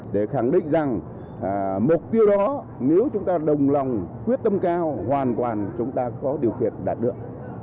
để khẳng định rằng mục tiêu đó nếu chúng ta đồng lòng quyết tâm cao hoàn toàn chúng ta có điều kiện đạt được